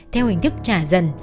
theo hình thức trả dần